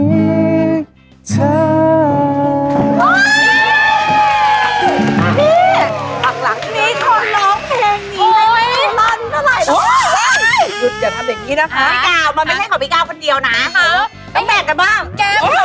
เธอคือคนเดียวที่อยู่กับปิ้งโก้ที่เก่าคนเดียวนะ